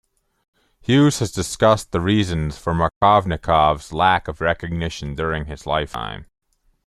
Hughes has discussed the reasons for Markovnikov's lack of recognition during his lifetime.